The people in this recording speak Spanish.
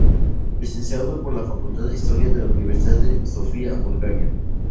Licenciado por la Facultad de Historia de la Universidad de Sofía, Bulgaria.